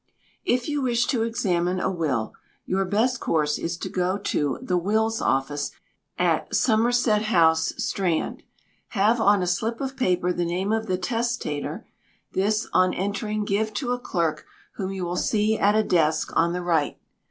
If you wish to examine a will, your best course is to go to "The Wills Office," at Somerset House, Strand, have on a slip of paper the name of the testator this, on entering, give to a clerk whom you will see at a desk on the right.